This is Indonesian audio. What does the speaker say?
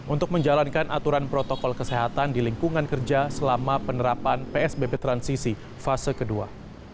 untuk menjalankan aturan protokol kesehatan di lingkungan kerja selama penerapan psbb transisi fase kedua